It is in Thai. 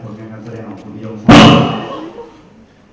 ผลงานการแสดงของคุณยมทราบ